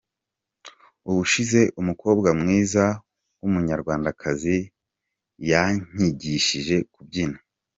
Ubushize umukobwa mwiza w’umunyarwandakazi yanyigishije kubyina.